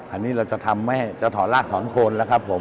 อันนี้เราจะทำไม่ให้จะถอดรากถอนโคนแล้ว